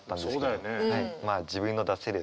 そうだよね。